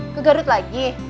ke garut lagi